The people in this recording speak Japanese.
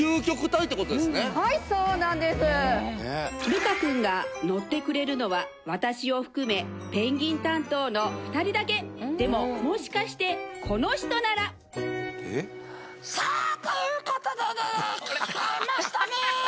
ルカくんが乗ってくれるのは私を含めペンギン担当の２人だけでももしかしてこの人ならさあということでね着替えましたね